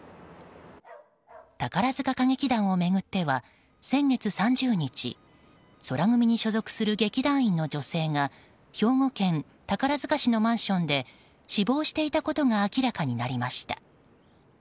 宝塚歌劇団を巡っては先月３０日宙組に所属する劇団員の女性が兵庫県宝塚市のマンションで死亡していたことが明らかになりました。